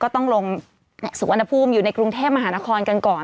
ต้องลงสุวรรณภูมิอยู่ในกรุงเทพมหานครกันก่อน